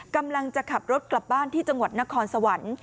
กำลังจะขับรถกลับบ้านที่จังหวัดนครสวรรค์